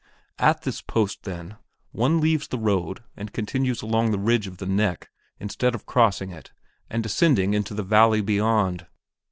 At this post, then, one leaves the road and continues along the ridge of the "neck" instead of crossing it and descending into the valley beyond.